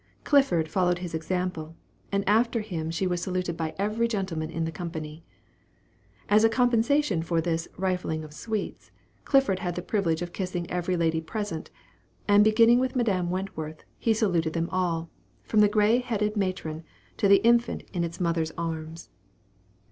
Clifford followed his example, and after him she was saluted by every gentleman in the company. As a compensation for this "rifling of sweets," Clifford had the privilege of kissing every lady present, and beginning with Madame Wentworth, he saluted them all, from the gray headed matron, to the infant in its mother's arms.